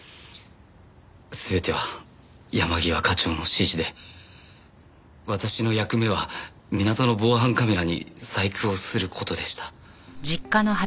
全ては山際課長の指示で私の役目は港の防犯カメラに細工をする事でした。